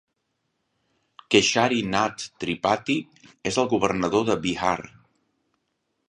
Keshari Nath Tripathi és el governador de Bihar.